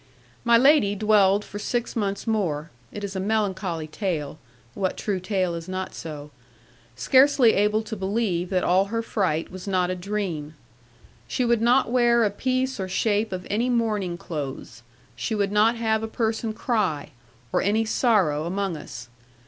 'My lady dwelled for six months more it is a melancholy tale (what true tale is not so?) scarcely able to believe that all her fright was not a dream. She would not wear a piece or shape of any mourning clothes; she would not have a person cry, or any sorrow among us.